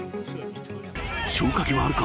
消火器はあるか？